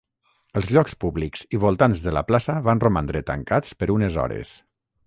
Els llocs públics i voltants de la plaça van romandre tancats per unes hores.